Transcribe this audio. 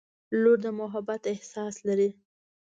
• لور د محبت احساس لري.